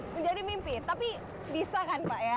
menjadi mimpi tapi bisa kan pak ya